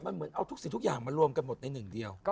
มันเหมือนเอาทุกสิ่งทุกอย่างมารวมกันหมดในหนึ่งเดียว